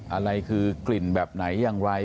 อะไรคือกลิ่นแบบไหนอย่างไร